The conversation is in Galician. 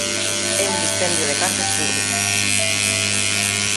É un dispendio de cartos públicos.